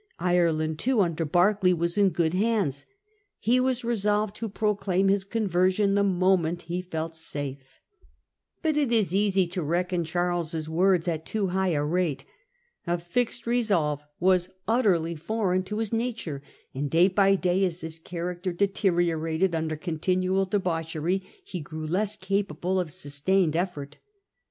Ireland too, under Berkeley, was in good hands. He was re solved to proclaim his conversion the moment he felt safe. But it is easy to reckon Charles's words at too high a 182 Preparations of Louis for War. 1669 . rate. A fixed resolve was utterly foreign to his nature, and day by day, as his character deteriorated under continual debauchery, he grew less capable of sustained effort.